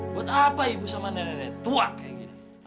buat apa ibu sama nenek nenek tua kayak gini